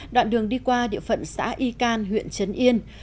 đoạn đường đi qua địa phận xã y can huyện trấn yên